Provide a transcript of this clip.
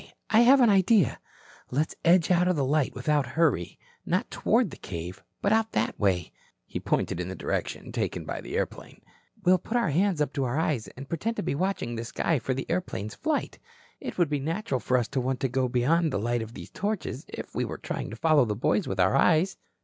I have an idea. Let's edge out of the light without hurry, not toward the cave, but out that way," pointing in the direction taken by the airplane. "We'll put our hands up to our eyes and pretend to be watching the sky for the airplane's flight. It would be natural for us to want to get beyond the light of these torches, if we were trying to follow the boys with our eyes."